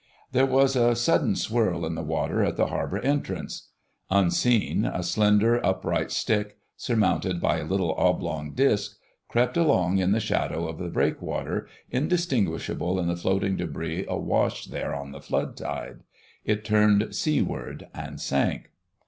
There was a sudden swirl in the water at the harbour entrance. Unseen, a slender, upright stick, surmounted by a little oblong disc, crept along in the shadow of the breakwater, indistinguishable in the floating debris awash there on the flood tide. It turned seaward and sank.